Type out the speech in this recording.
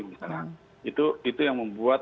itu yang membuat